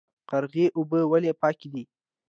قرغې اوبه ولې پاکې دي؟